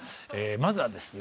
まずはですね